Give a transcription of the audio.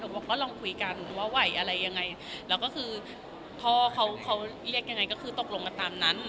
บอกว่าก็ลองคุยกันว่าไหวอะไรยังไงแล้วก็คือพ่อเขาเขาเรียกยังไงก็คือตกลงกันตามนั้น